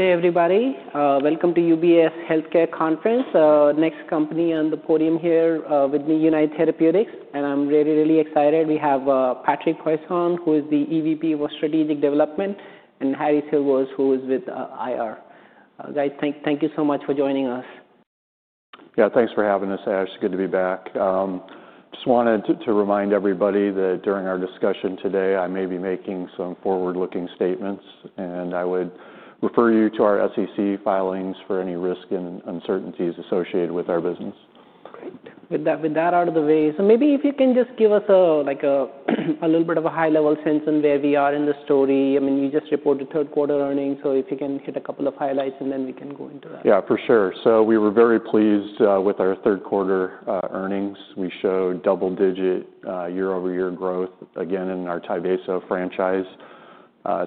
Good day, everybody. Welcome to UBS Healthcare Conference. Next company on the podium here, with me, United Therapeutics, and I'm really, really excited. We have Patrick Poisson, who is the EVP for Strategic Development, and Harrison Rose, who is with IR. Guys, thank you so much for joining us. Yeah, thanks for having us, Ash. Good to be back. I just wanted to remind everybody that during our discussion today, I may be making some forward-looking statements, and I would refer you to our SEC filings for any risk and uncertainties associated with our business. Great. With that out of the way, maybe if you can just give us a, like, a little bit of a high-level sense on where we are in the story. I mean, you just reported third-quarter earnings, so if you can hit a couple of highlights, then we can go into that. Yeah, for sure. We were very pleased with our third-quarter earnings. We showed double-digit year-over-year growth again in our Tyvaso franchise,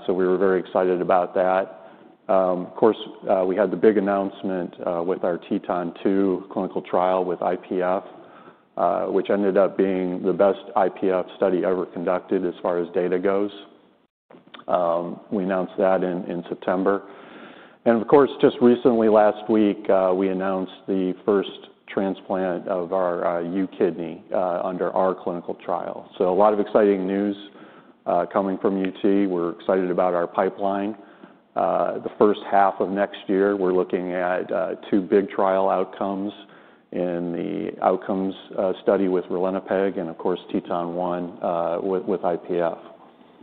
so we were very excited about that. Of course, we had the big announcement with our TETON-2 clinical trial with IPF, which ended up being the best IPF study ever conducted as far as data goes. We announced that in September. Of course, just recently, last week, we announced the first transplant of our U-Kidney under our clinical trial. A lot of exciting news coming from UT. We're excited about our pipeline. The first half of next year, we're looking at two big trial outcomes in the outcomes study with ralinepag and, of course, TETON-1 with IPF.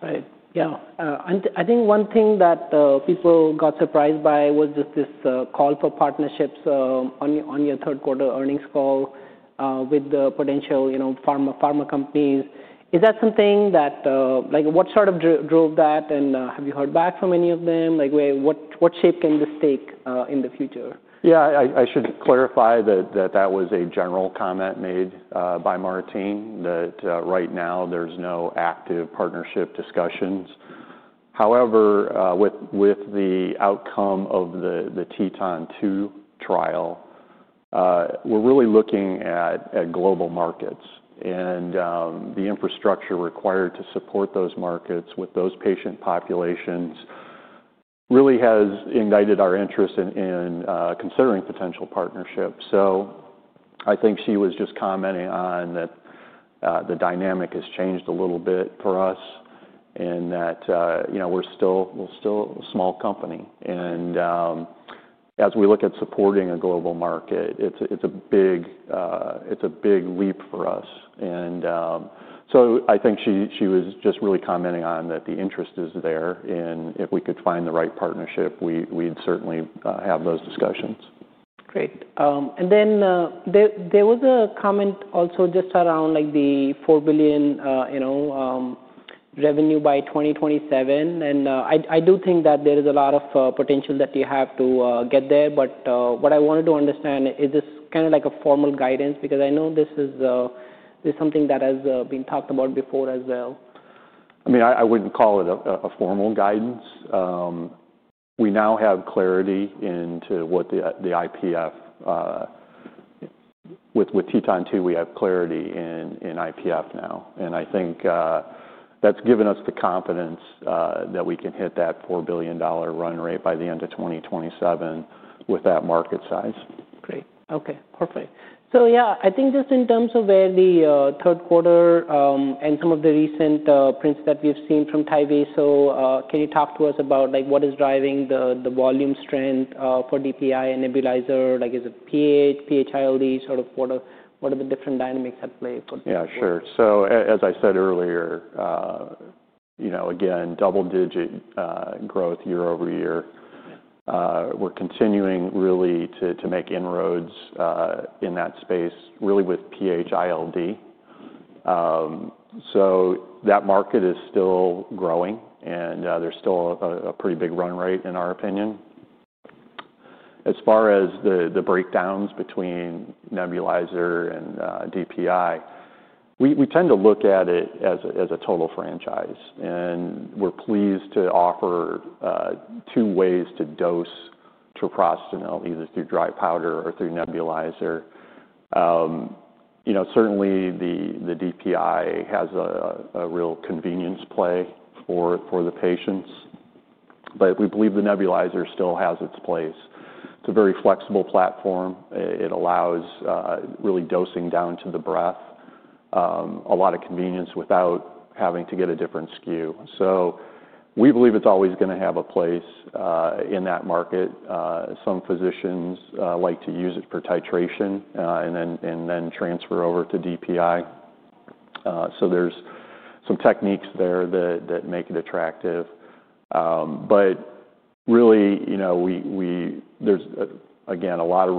Right. Yeah. I think one thing that people got surprised by was just this call for partnerships on your third-quarter earnings call with the potential, you know, pharma companies. Is that something that, like, what sort of drove that, and have you heard back from any of them? Like, where, what shape can this take in the future? Yeah, I should clarify that that was a general comment made by Martine, that right now, there's no active partnership discussions. However, with the outcome of the TETON-2 trial, we're really looking at global markets, and the infrastructure required to support those markets with those patient populations really has ignited our interest in considering potential partnerships. I think she was just commenting on that, the dynamic has changed a little bit for us and that, you know, we're still a small company. As we look at supporting a global market, it's a big leap for us. I think she was just really commenting on that the interest is there, and if we could find the right partnership, we'd certainly have those discussions. Great. There was a comment also just around, like, the $4 billion revenue by 2027. I do think that there is a lot of potential that you have to get there. What I wanted to understand, is this kind of like a formal guidance? I know this is something that has been talked about before as well. I mean, I wouldn't call it a formal guidance. We now have clarity into what the IPF, with TETON-2, we have clarity in IPF now. I think that's given us the confidence that we can hit that $4 billion run rate by the end of 2027 with that market size. Great. Okay. Perfect. Yeah, I think just in terms of where the third quarter and some of the recent prints that we've seen from Tyvaso, can you talk to us about, like, what is driving the volume strength for DPI and nebulizer? Like, is it PH, PH-ILD, sort of what are the different dynamics at play for? Yeah, sure. As I said earlier, you know, again, double-digit growth year over year. We're continuing really to make inroads in that space, really with PH-ILD. That market is still growing, and there's still a pretty big run rate, in our opinion. As far as the breakdowns between nebulizer and DPI, we tend to look at it as a total franchise, and we're pleased to offer two ways to dose treprostinil, either through dry powder or through nebulizer. You know, certainly, the DPI has a real convenience play for the patients, but we believe the nebulizer still has its place. It's a very flexible platform. It allows really dosing down to the breath, a lot of convenience without having to get a different SKU. We believe it's always gonna have a place in that market. Some physicians like to use it for titration, and then transfer over to DPI. There are some techniques there that make it attractive. Really, you know, there's again a lot of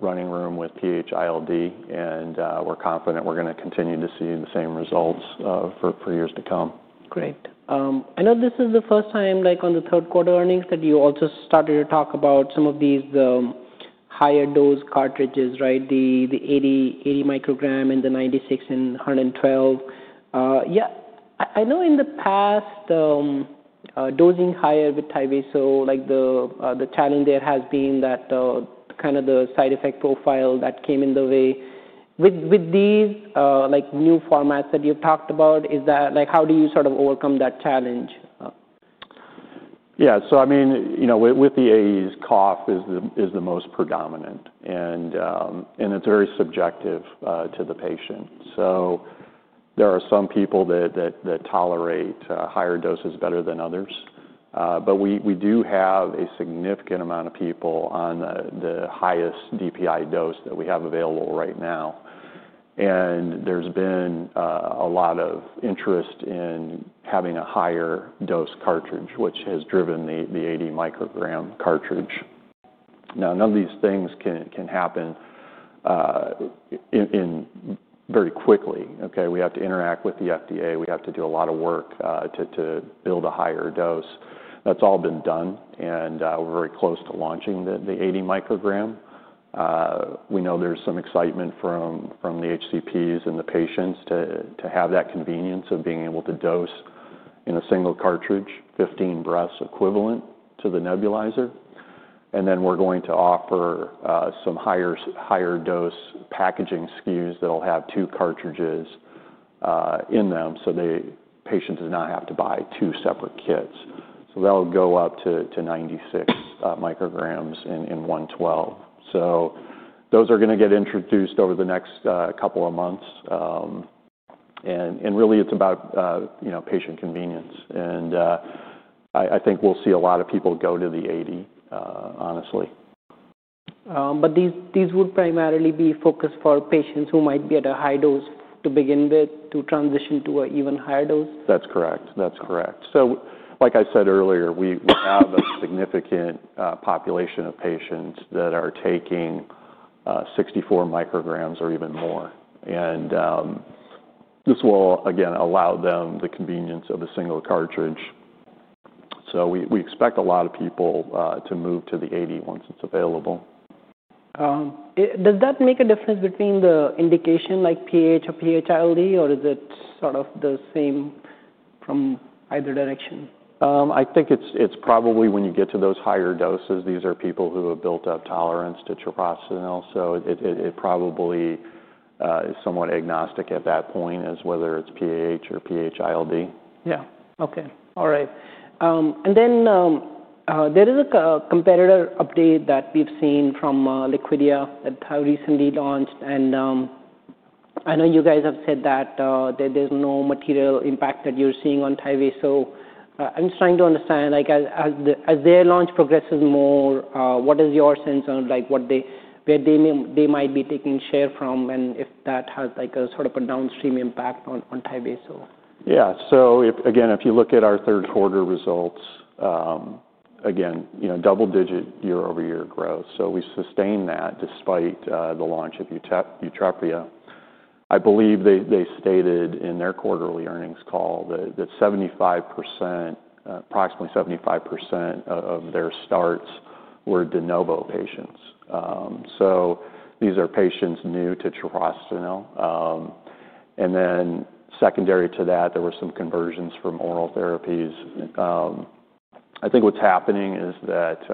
running room with PH-ILD, and we're confident we're gonna continue to see the same results for years to come. Great. I know this is the first time, like, on the third-quarter earnings that you also started to talk about some of these higher-dose cartridges, right? The 80, 80 microgram and the 96 and 112. Yeah, I know in the past, dosing higher with Tyvaso, like, the challenge there has been that, kind of the side effect profile that came in the way. With these, like, new formats that you've talked about, is that, like, how do you sort of overcome that challenge? Yeah. I mean, you know, with the AEs, cough is the most predominant, and it's very subjective to the patient. There are some people that tolerate higher doses better than others. We do have a significant amount of people on the highest DPI dose that we have available right now. There's been a lot of interest in having a higher-dose cartridge, which has driven the 80 microgram cartridge. None of these things can happen very quickly. We have to interact with the FDA. We have to do a lot of work to build a higher dose. That's all been done, and we're very close to launching the 80 microgram. We know there's some excitement from the HCPs and the patients to have that convenience of being able to dose in a single cartridge, 15 breaths equivalent to the nebulizer. We're going to offer some higher-dose packaging SKUs that'll have two cartridges in them so the patient does not have to buy two separate kits. That'll go up to 96 micrograms and 112. Those are gonna get introduced over the next couple of months. Really, it's about patient convenience. I think we'll see a lot of people go to the 80, honestly. These would primarily be focused for patients who might be at a high dose to begin with to transition to an even higher dose? That's correct. That's correct. Like I said earlier, we have a significant population of patients that are taking 64 micrograms or even more. This will, again, allow them the convenience of a single cartridge. We expect a lot of people to move to the 80 once it's available. Does that make a difference between the indication, like PAH or PAH-ILD, or is it sort of the same from either direction? I think it's probably when you get to those higher doses, these are people who have built up tolerance to treprostinil, so it probably is somewhat agnostic at that point as to whether it's PAH or PAH-ILD. Yeah. Okay. All right. And then, there is a competitor update that we've seen from Liquidia that have recently launched. And I know you guys have said that there is no material impact that you're seeing on Tyvaso. I'm just trying to understand, like, as their launch progresses more, what is your sense on, like, where they might be taking share from and if that has, like, a sort of a downstream impact on Tyvaso? Yeah. If you look at our third-quarter results, you know, double-digit year-over-year growth. We sustained that despite the launch of Yutrepia. I believe they stated in their quarterly earnings call that approximately 75% of their starts were de novo patients, so these are patients new to treprostinil. Secondary to that, there were some conversions from oral therapies. I think what's happening is that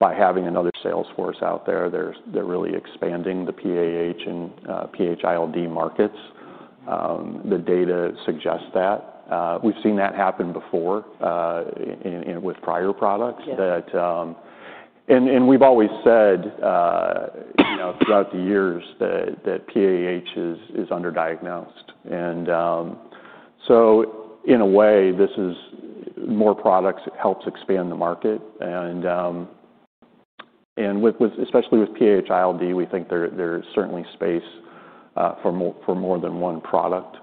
by having another sales force out there, they're really expanding the PAH and PAH-ILD markets. The data suggests that. We've seen that happen before with prior products. That, and we've always said, you know, throughout the years that PAH is underdiagnosed. In a way, this is more products helps expand the market. With, especially with PAH ILD, we think there is certainly space for more than one product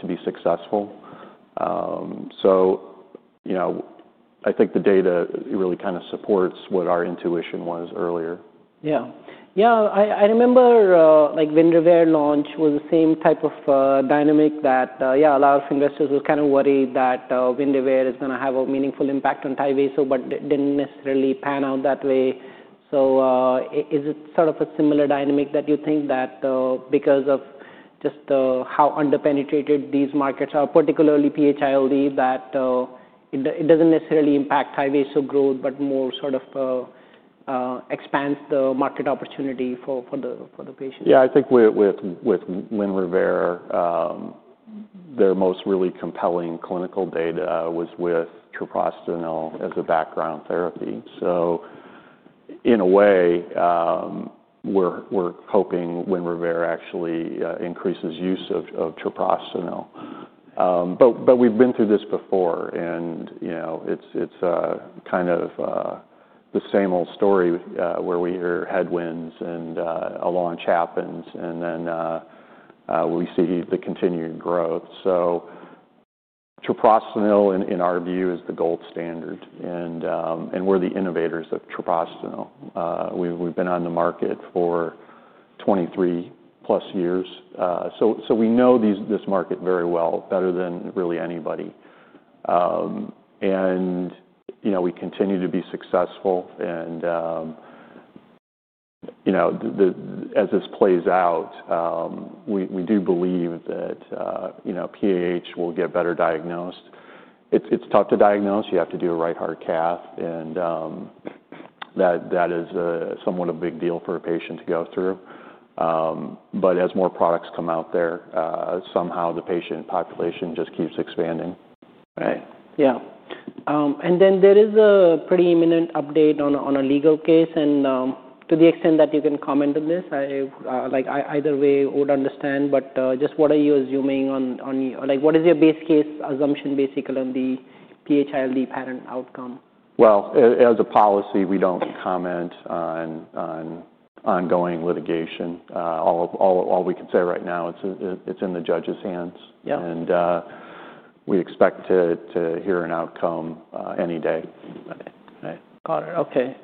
to be successful. You know, I think the data really kind of supports what our intuition was earlier. Yeah. Yeah. I remember, like, Winrevair launch was the same type of dynamic that, yeah, a lot of investors were kind of worried that, Winrevair is gonna have a meaningful impact on Tyvaso, but it did not necessarily pan out that way. Is it sort of a similar dynamic that you think that, because of just how underpenetrated these markets are, particularly PH-ILD, that it does not necessarily impact Tyvaso growth, but more sort of expands the market opportunity for the patients? Yeah. I think with Winrevair, their most really compelling clinical data was with treprostinil as a background therapy. In a way, we're hoping Winrevair actually increases use of treprostinil. We've been through this before, and, you know, it's kind of the same old story, where we hear headwinds and a launch happens, and then we see the continued growth. Treprostinil, in our view, is the gold standard. We're the innovators of treprostinil. We've been on the market for 23-plus years, so we know this market very well, better than really anybody. You know, we continue to be successful. You know, as this plays out, we do believe that PAH will get better diagnosed. It's tough to diagnose. You have to do a right heart cath. That is somewhat a big deal for a patient to go through. But as more products come out there, somehow the patient population just keeps expanding. Right. Yeah. And then there is a pretty imminent update on a legal case. To the extent that you can comment on this, I, like, I either way would understand, but just what are you assuming on, like, what is your base case assumption, basically, on the PAH-ILD parent outcome? As a policy, we do not comment on ongoing litigation. All we can say right now, it is in the judge's hands. Yeah. We expect to hear an outcome any day. Got it. Okay.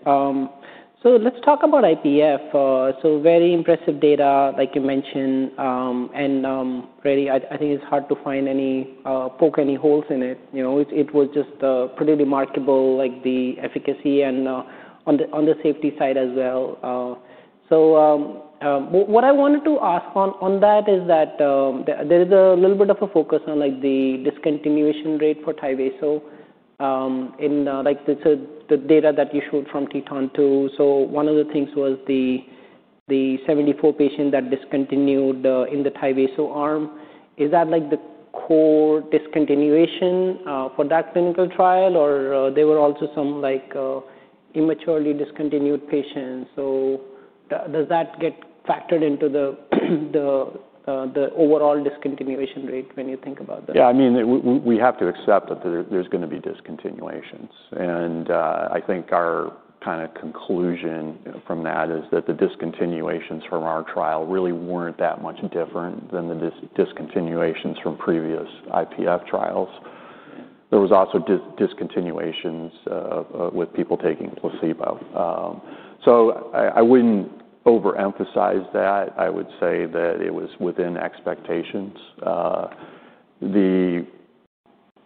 Let's talk about IPF. Very impressive data, like you mentioned. I think it's hard to find any, poke any holes in it. You know, it was just pretty remarkable, like, the efficacy and, on the safety side as well. What I wanted to ask on that is that there is a little bit of a focus on, like, the discontinuation rate for Tyvaso, in, like, the data that you showed from TETON-2. One of the things was the 74 patients that discontinued in the Tyvaso arm. Is that, like, the core discontinuation for that clinical trial, or were there also some, like, immaturely discontinued patients? Does that get factored into the overall discontinuation rate when you think about that? Yeah. I mean, we have to accept that there's gonna be discontinuations. And, I think our kind of conclusion from that is that the discontinuations from our trial really weren't that much different than the discontinuations from previous IPF trials. There was also discontinuations, with people taking placebo. I wouldn't overemphasize that. I would say that it was within expectations. The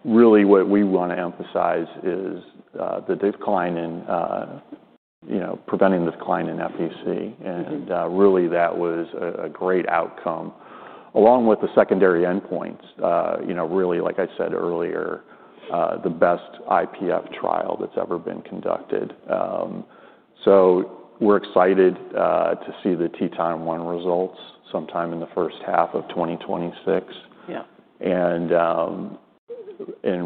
really what we wanna emphasize is, the decline in, you know, preventing the decline in FVC. And, really, that was a great outcome along with the secondary endpoints, you know, really, like I said earlier, the best IPF trial that's ever been conducted. We're excited, to see the TETON-1 results sometime in the first half of 2026. Yeah. And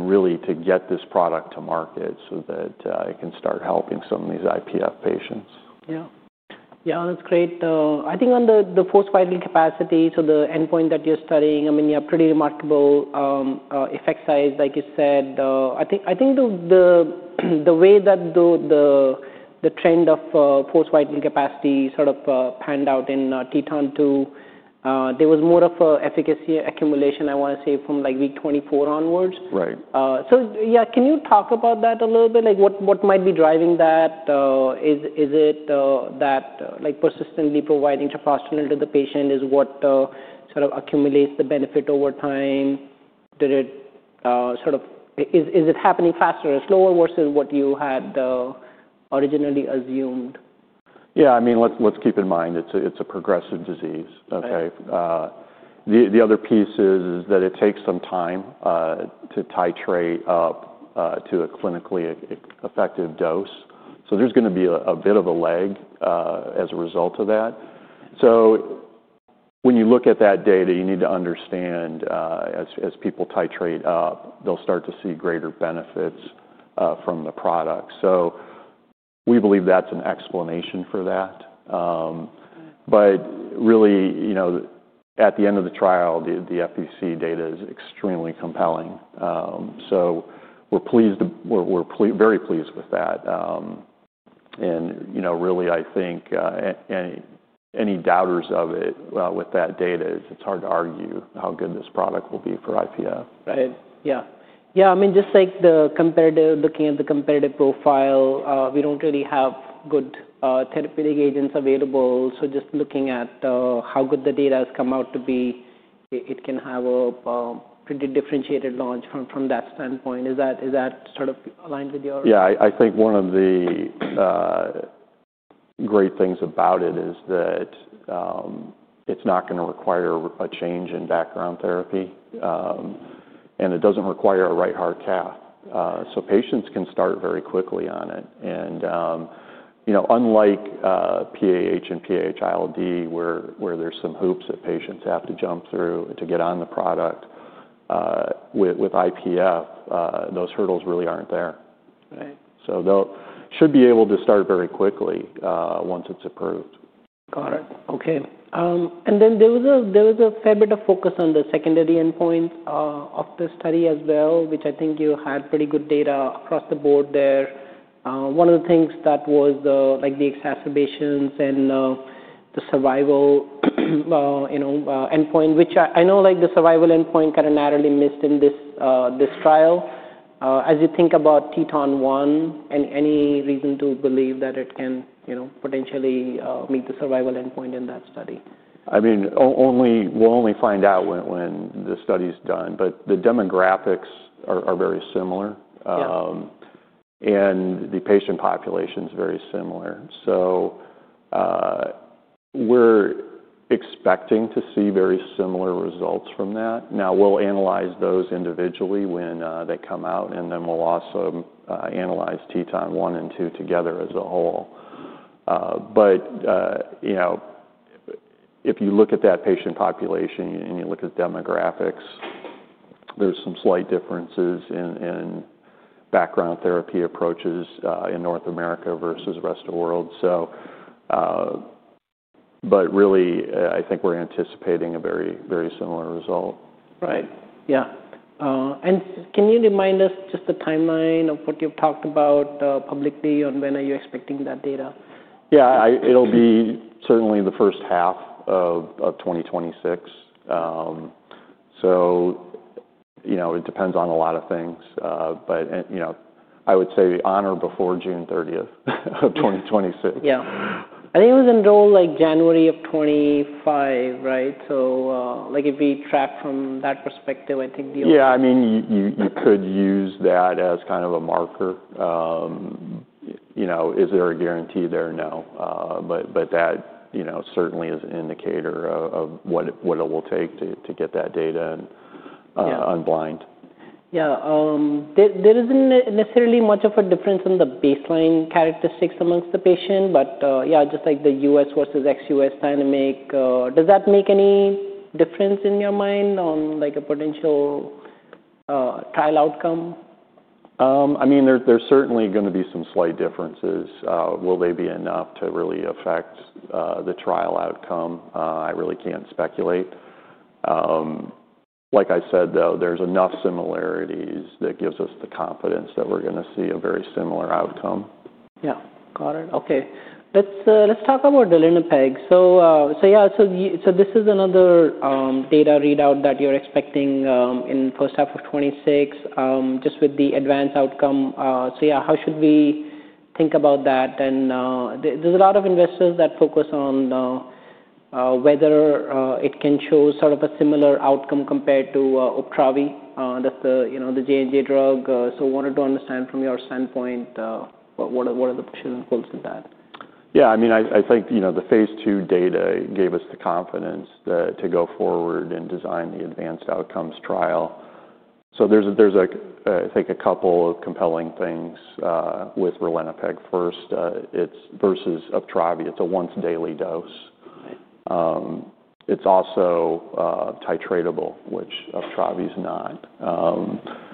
really to get this product to market so that it can start helping some of these IPF patients. Yeah. Yeah. That's great. I think on the forced vital capacity, so the endpoint that you're studying, I mean, you have pretty remarkable effect size, like you said. I think the way that the trend of forced vital capacity sort of panned out in TETON-2, there was more of a efficacy accumulation, I wanna say, from like week 24 onwards. Right. Yeah, can you talk about that a little bit? Like, what might be driving that? Is it that, like, persistently providing treprostinil to the patient is what sort of accumulates the benefit over time? Did it sort of, is it happening faster or slower versus what you had originally assumed? Yeah. I mean, let's, let's keep in mind it's a, it's a progressive disease. Okay? Yeah. The other piece is that it takes some time to titrate up to a clinically effective dose. There's gonna be a bit of a lag as a result of that. When you look at that data, you need to understand, as people titrate up, they'll start to see greater benefits from the product. We believe that's an explanation for that. Really, at the end of the trial, the FVC data is extremely compelling. We're very pleased with that. Really, I think any doubters of it, with that data, it's hard to argue how good this product will be for IPF. Right. Yeah. I mean, just like the comparative, looking at the comparative profile, we don't really have good therapeutic agents available. So just looking at how good the data has come out to be, it can have a pretty differentiated launch from that standpoint. Is that sort of aligned with your? Yeah. I think one of the great things about it is that it's not gonna require a change in background therapy, and it doesn't require a right heart cath. So patients can start very quickly on it. You know, unlike PAH and PAH ILD, where there's some hoops that patients have to jump through to get on the product, with IPF, those hurdles really aren't there. Right. They'll should be able to start very quickly, once it's approved. Got it. Okay. And then there was a, there was a fair bit of focus on the secondary endpoint of the study as well, which I think you had pretty good data across the board there. One of the things that was the, like, the exacerbations and the survival, you know, endpoint, which I, I know, like, the survival endpoint kind of narrowly missed in this, this trial. As you think about TETON-1, any, any reason to believe that it can, you know, potentially meet the survival endpoint in that study? I mean, we'll only find out when the study's done. But the demographics are very similar. Yeah. The patient population's very similar. We're expecting to see very similar results from that. We'll analyze those individually when they come out. We'll also analyze TETON-1 and TETON-2 together as a whole. If you look at that patient population and you look at demographics, there's some slight differences in background therapy approaches in North America versus the rest of the world. Really, I think we're anticipating a very, very similar result. Right. Yeah. Can you remind us just the timeline of what you've talked about publicly on when are you expecting that data? Yeah. It'll be certainly the first half of 2026. You know, it depends on a lot of things, but, you know, I would say on or before June 30, 2026. Yeah. I think it was enrolled, like, January of 2025, right? So, like, if we track from that perspective, I think the. Yeah. I mean, you could use that as kind of a marker. You know, is there a guarantee there? No. But that, you know, certainly is an indicator of what it will take to get that data and unblind. Yeah. Yeah. There isn't necessarily much of a difference in the baseline characteristics amongst the patient. Yeah, just like the U.S. versus ex-U.S. dynamic, does that make any difference in your mind on, like, a potential trial outcome? I mean, there are certainly gonna be some slight differences. Will they be enough to really affect the trial outcome? I really can't speculate. Like I said, though, there's enough similarities that gives us the confidence that we're gonna see a very similar outcome. Yeah. Got it. Okay. Let's talk about ralinepag. So, yeah, this is another data readout that you're expecting in first half of 2026, just with the advanced outcome. Yeah, how should we think about that? There's a lot of investors that focus on whether it can show sort of a similar outcome compared to Opsumit. That's the, you know, the J&J drug. I wanted to understand from your standpoint, what are the pushing and pulls with that? Yeah. I mean, I think, you know, the phase two data gave us the confidence to go forward and design the advanced outcomes trial. There's, I think, a couple of compelling things with Ralinepag first. It's versus Opsumit, it's a once-daily dose. Right. It's also titratable, which Optravi's not.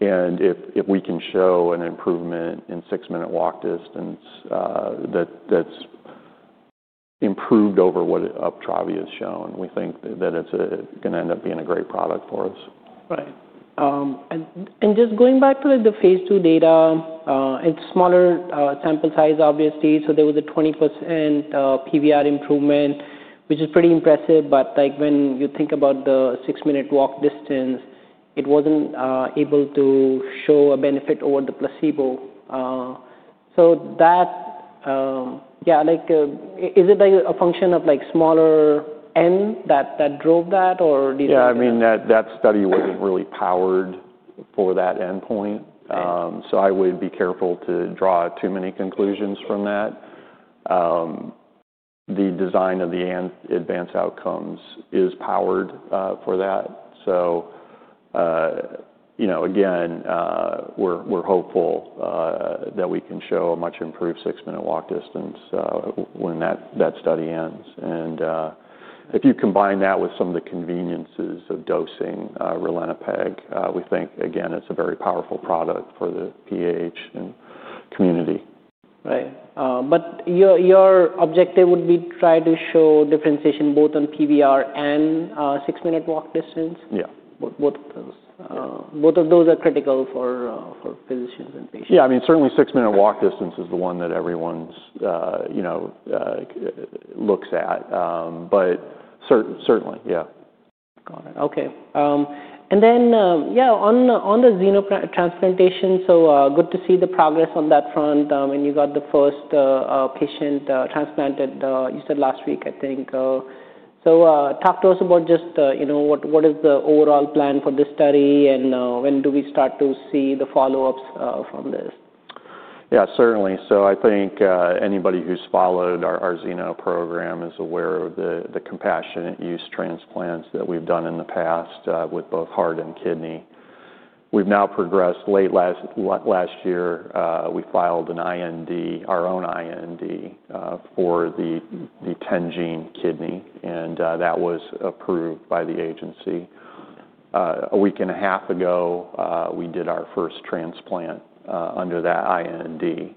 If we can show an improvement in six-minute walk distance that's improved over what Optravi has shown, we think that it's gonna end up being a great product for us. Right. And just going back to the phase two data, it's a smaller sample size, obviously. So there was a 20% PVR improvement, which is pretty impressive. But, like, when you think about the six-minute walk distance, it wasn't able to show a benefit over the placebo. So that, yeah, like, is it like a function of, like, smaller N that drove that, or do you think? Yeah. I mean, that study wasn't really powered for that endpoint. Right. I would be careful to draw too many conclusions from that. The design of the advanced outcomes is powered for that. You know, again, we're hopeful that we can show a much improved six-minute walk distance when that study ends. If you combine that with some of the conveniences of dosing ralinepag, we think, again, it's a very powerful product for the PAH community. Right. But your objective would be to try to show differentiation both on PVR and six-minute walk distance? Yeah. Both of those are critical for physicians and patients. Yeah. I mean, certainly, six-minute walk distance is the one that everyone's, you know, looks at. Certainly, yeah. Got it. Okay. And then, yeah, on the xenotransplantation, so, good to see the progress on that front. And you got the first patient transplanted, you said last week, I think. So, talk to us about just, you know, what is the overall plan for this study and when do we start to see the follow-ups from this? Yeah. Certainly. I think anybody who's followed our xeno program is aware of the compassionate use transplants that we've done in the past, with both heart and kidney. We've now progressed. Late last year, we filed an IND, our own IND, for the 10-gene kidney. That was approved by the agency. A week and a half ago, we did our first transplant under that IND.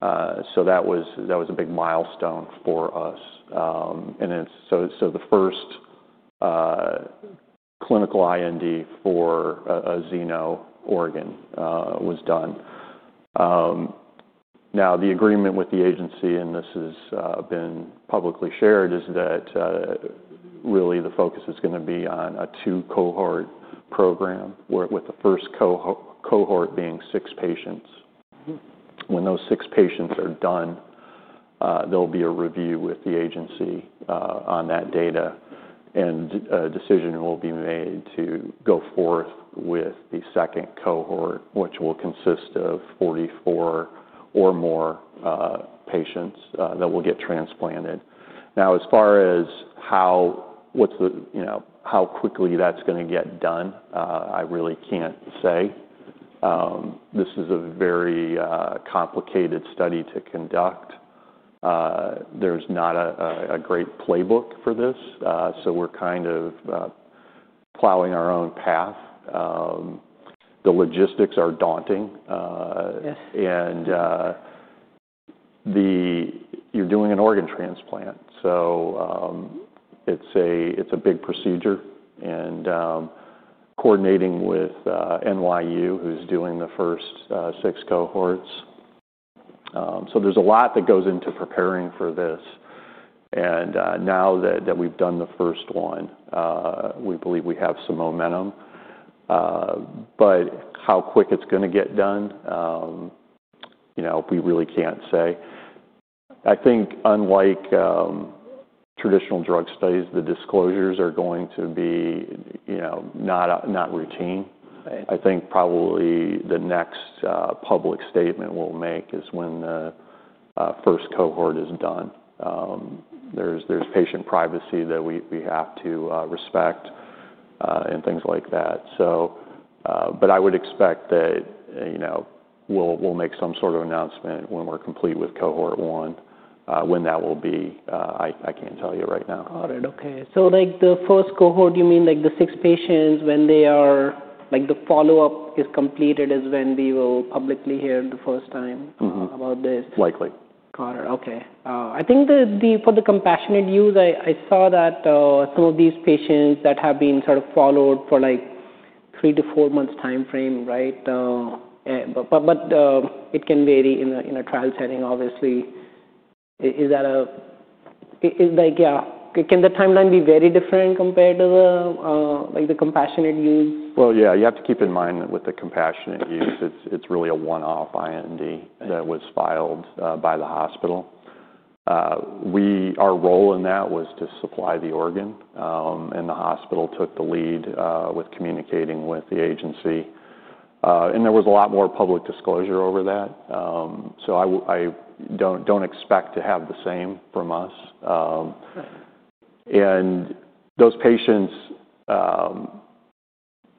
That was a big milestone for us. It's the first clinical IND for a xeno organ was done. The agreement with the agency, and this has been publicly shared, is that really the focus is gonna be on a two-cohort program, where the first cohort is six patients. Mm-hmm. When those six patients are done, there'll be a review with the agency on that data. A decision will be made to go forth with the second cohort, which will consist of 44 or more patients that will get transplanted. Now, as far as how, what's the, you know, how quickly that's gonna get done, I really can't say. This is a very complicated study to conduct. There's not a great playbook for this, so we're kind of plowing our own path. The logistics are daunting. Yes. You're doing an organ transplant. It's a big procedure. Coordinating with NYU, who's doing the first six cohorts, there's a lot that goes into preparing for this. Now that we've done the first one, we believe we have some momentum. How quick it's gonna get done, you know, we really can't say. I think, unlike traditional drug studies, the disclosures are going to be, you know, not routine. I think probably the next public statement we'll make is when the first cohort is done. There's patient privacy that we have to respect and things like that. I would expect that, you know, we'll make some sort of announcement when we're complete with cohort one. When that will be, I can't tell you right now. Got it. Okay. So, like, the first cohort, you mean, like, the six patients, when they are, like, the follow-up is completed, is when we will publicly hear the first time. Mm-hmm. About this. Likely. Got it. Okay. I think for the compassionate use, I saw that some of these patients that have been sort of followed for, like, three to four months' timeframe, right? It can vary in a trial setting, obviously. Is that a, is like, yeah, can the timeline be very different compared to the compassionate use? You have to keep in mind that with the compassionate use, it's really a one-off IND that was filed by the hospital. Our role in that was to supply the organ, and the hospital took the lead with communicating with the agency. There was a lot more public disclosure over that, so I don't expect to have the same from us. Right. Those patients,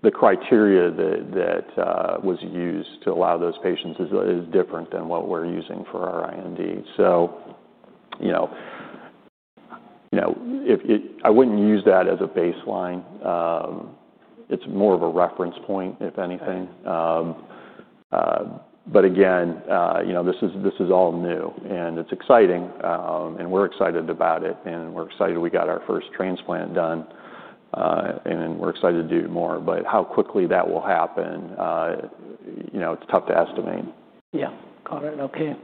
the criteria that was used to allow those patients is different than what we're using for our IND. You know, I wouldn't use that as a baseline. It's more of a reference point, if anything. Again, you know, this is all new. It's exciting, and we're excited about it. We're excited we got our first transplant done, and then we're excited to do more. How quickly that will happen, you know, it's tough to estimate. Yeah. Got it. Okay.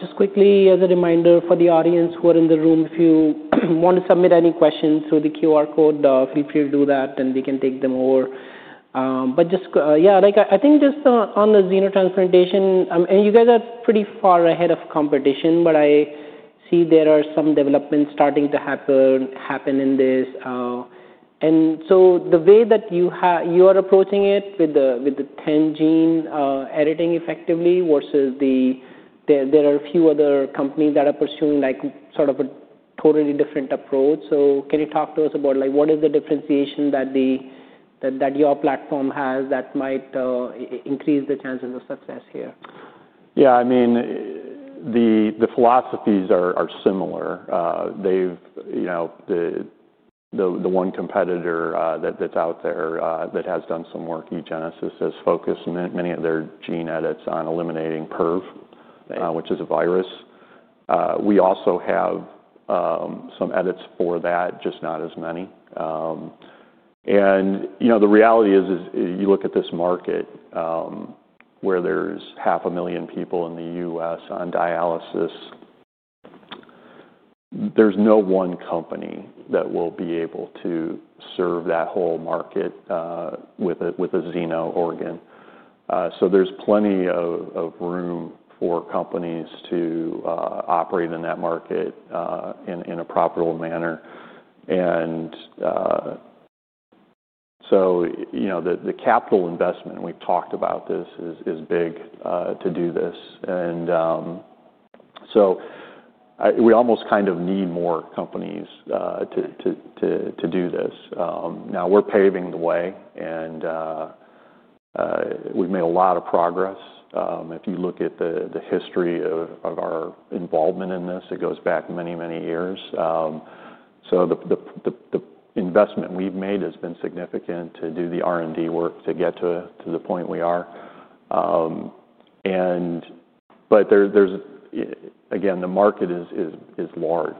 Just quickly, as a reminder for the audience who are in the room, if you want to submit any questions through the QR code, feel free to do that, and we can take them over. Just, yeah, like, I think just, on the xenotransplantation, and you guys are pretty far ahead of competition, but I see there are some developments starting to happen in this. The way that you are approaching it with the 10-gene editing effectively versus there are a few other companies that are pursuing, like, sort of a totally different approach. Can you talk to us about, like, what is the differentiation that your platform has that might increase the chances of success here? Yeah. I mean, the philosophies are similar. They've, you know, the one competitor that, that's out there that has done some work, eGenesis, has focused many of their gene edits on eliminating PERV, which is a virus. We also have some edits for that, just not as many. And, you know, the reality is, as you look at this market, where there's 500,000 people in the U.S. on dialysis, there's no one company that will be able to serve that whole market with a xeno organ. So there's plenty of room for companies to operate in that market in a profitable manner. The capital investment, and we've talked about this, is big to do this. I mean, we almost kind of need more companies to do this. Now we're paving the way. And we've made a lot of progress. If you look at the history of our involvement in this, it goes back many, many years. The investment we've made has been significant to do the R&D work to get to the point we are. The market is large.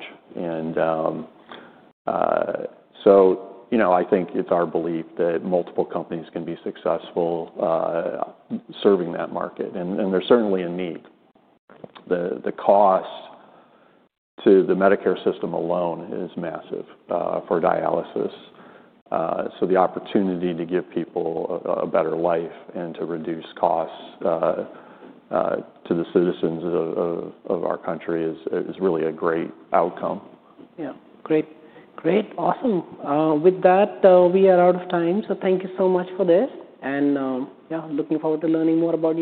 You know, I think it's our belief that multiple companies can be successful, serving that market. There's certainly a need. The cost to the Medicare system alone is massive, for dialysis. The opportunity to give people a better life and to reduce costs to the citizens of our country is really a great outcome. Yeah. Great. Great. Awesome. With that, we are out of time. Thank you so much for this. Yeah, looking forward to learning more about.